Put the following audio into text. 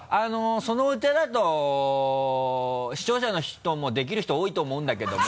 そのお茶だと視聴者の人もできる人多いと思うんだけども。